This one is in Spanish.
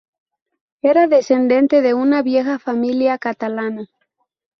Era descendente de una vieja familia catalana.